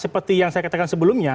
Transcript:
seperti yang saya katakan sebelumnya